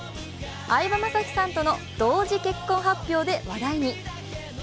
相葉雅紀さんとの同時結婚発表で話題に。